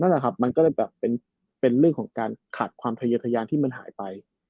นั่นแหละครับมันก็เลยแบบเป็นเรื่องของการขาดความทะเยอะทะยานที่มันหายไป